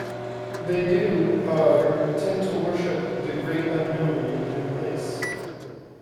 They do, however, tend to worship "The Great Unknown" in their place.